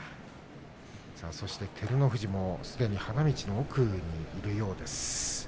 そして、照ノ富士もすでに花道の奥にいるようです。